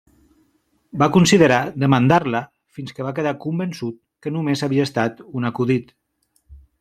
Va considerar demandar-la fins que va quedar convençut que només havia estat un acudit.